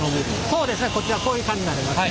そうですねこちらこういう感じになります。